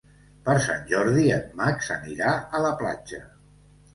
Per Sant Jordi en Max anirà a la platja.